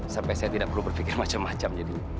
sampai saya tidak perlu berpikir macam macam